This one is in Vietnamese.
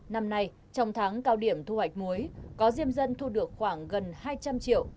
năm nay trong tháng cao điểm thu hoạch muối có diêm dân thu được khoảng gần hai trăm linh triệu